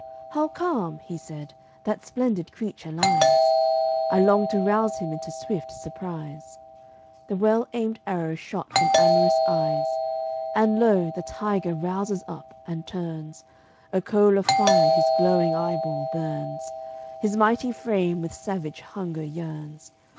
"How calm," he said, "that splendid creature lies! I long to rouse him into swift surprise." The well aimed arrow shot from amorous eyes, And lo! the tiger rouses up and turns, A coal of fire his glowing eyeball burns, His mighty frame with savage hunger yearns.